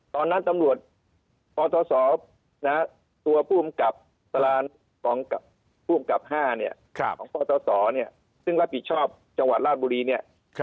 ตอนนั้นตำรวจปทศตัวภูมิกับสลานภูมิกับ๕ของปทศซึ่งรับผิดชอบจังหวัดราชบุรี